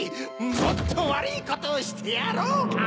もっとわるいことをしてやろうか！